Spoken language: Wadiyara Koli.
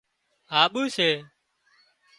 هاٻو سي